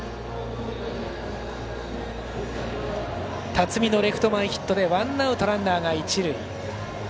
辰己のレフト前ヒットでワンアウト、ランナーが一塁。